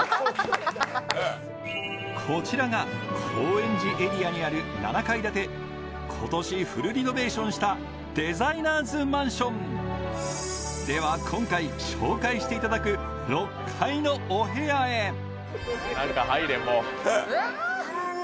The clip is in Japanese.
こちらが高円寺エリアにある７階建て今年フルリノベーションしたデザイナーズマンションでは今回紹介していただくうわ